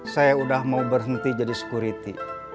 saya udah mau berhenti jadi security